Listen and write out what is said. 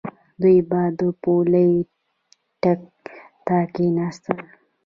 دوی به د پولۍ ټک ته کېناستل.